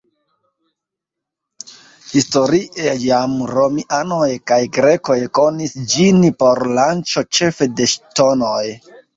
Historie jam romianoj kaj grekoj konis ĝin por lanĉo ĉefe de ŝtonoj.